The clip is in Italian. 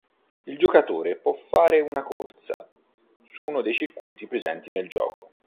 Il giocatore può fare una corsa su uno dei circuiti presenti nel gioco.